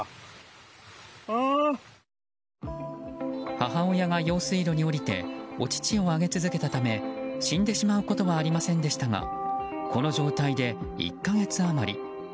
母親が用水路に下りてお乳をあげ続けたため死んでしまうことはありませんでしたがこの状態で１か月余り。